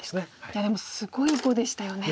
いやでもすごい碁でしたよね。